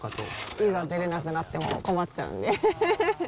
いざ出れなくなっても困っちゃうんで。